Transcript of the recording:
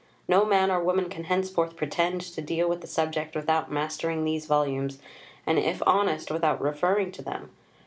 No man or woman can henceforth pretend to deal with the subject without mastering these volumes and, if honest, without referring to them....